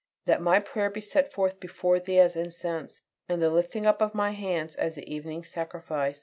"LET MY PRAYER BE SET FORTH BEFORE THEE AS INCENSE: AND THE LIFTING UP OF MY HANDS AS THE EVENING SACRIFICE."